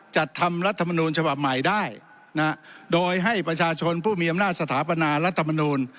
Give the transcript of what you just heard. จัดทำรัฐมนูลฉบับใหม่ได้นะฮะโดยให้ประชาชนผู้มีอำนาจสถาปนารัฐมนูล